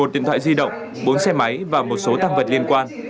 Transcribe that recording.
một mươi một điện thoại di động bốn xe máy và một số tăng vật liên quan